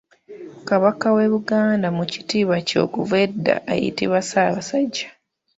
Kabaka w'e Buganda mu kitiibwa kye okuva edda ayitibwa Ssaabasajja.